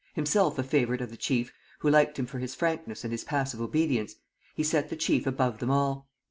Himself a favourite of the chief, who liked him for his frankness and his passive obedience, he set the chief above them all.